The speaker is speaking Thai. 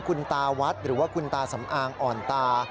คุณตาวัดหรือว่าคุณตาสำอางอ่อนตา